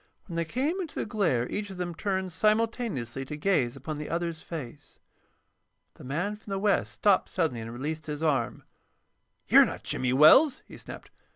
When they came into this glare each of them turned simultaneously to gaze upon the other's face. The man from the West stopped suddenly and released his arm. "You're not Jimmy Wells," he snapped.